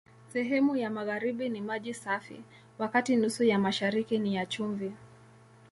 Sehemu ya magharibi ni maji safi, wakati nusu ya mashariki ni ya chumvi.